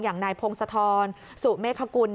อย่างนายพงศธรสุเมฆกุล